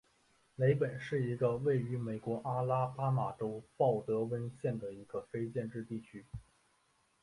雷本是一个位于美国阿拉巴马州鲍德温县的非建制地区。